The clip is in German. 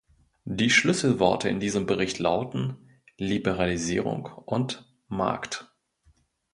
Die Schlüsselworte in diesem Bericht lauten "Liberalisierung" und "Markt".